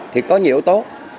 thì có nhiều yếu tố